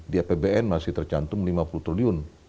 di apbn masih tercantum lima puluh triliun